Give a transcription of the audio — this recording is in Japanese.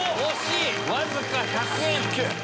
わずか１００円！